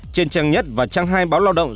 trên trang nhất và trang hai báo lao động